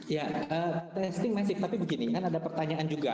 ya testing masif tapi begini kan ada pertanyaan juga